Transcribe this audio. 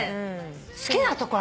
好きなとこある？